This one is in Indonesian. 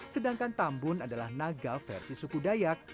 sedangkan tambun adalah naga versi suku dayak